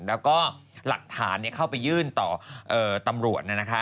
แล้วก็หลักฐานเข้าไปยื่นต่อตำรวจ